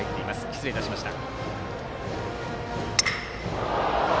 失礼いたしました。